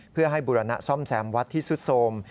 เพื่อให้บุรณะซ่อมแซมวัดที่สุดโทรม